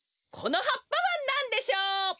このはっぱはなんでしょう？